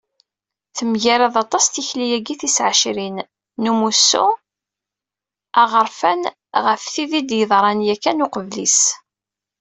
Temgarad s waṭas tikli-agi tis ɛecrin, n umussu aɣerfan, ɣef tid i d-yeḍran, yakan, uqbel-is.